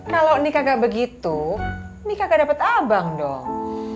kalau nikah gak begitu nikah gak dapat abang dong